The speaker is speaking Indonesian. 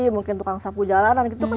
ya mungkin tukang sapu jalanan gitu kan